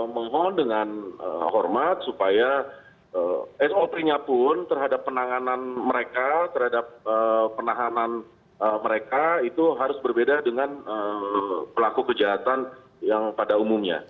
mohon dengan hormat supaya sop nya pun terhadap penanganan mereka terhadap penahanan mereka itu harus berbeda dengan pelaku kejahatan yang pada umumnya